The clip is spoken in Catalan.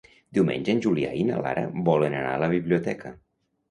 Diumenge en Julià i na Lara volen anar a la biblioteca.